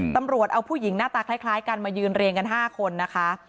ตำรวจเอาผู้หญิงหน้าตาคล้ายกันมายืนเรียงกัน๕คนนะคะ